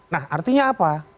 nah artinya apa